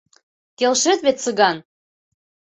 Келшет вет, Цыган?